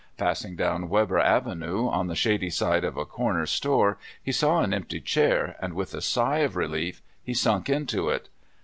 Passing down Weber Avenue, on the shady side of a corner store he saw an empty chair, and with a sigh of relief he sunk into it.